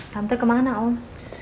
tante kemana om